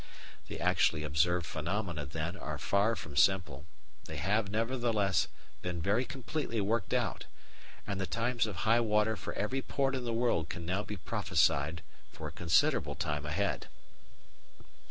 The actually observed phenomena, then, are far from simple; they have, nevertheless, been very completely worked out, and the times of high water for every port in the world can now be prophesied for a considerable time ahead.